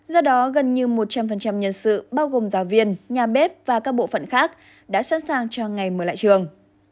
do đó gần như một trăm linh nhân sự bao gồm giáo viên nhà bếp và các bộ phận khác đã sẵn sàng cho ngày mở lại trường